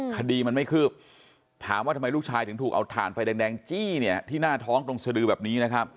คดีมันไม่คืบถามว่าทำไมลูกชายถึงถูกเอาถ่านไฟแดงจี้เนี่ยที่หน้าท้องตรงสดือแบบนี้นะครับ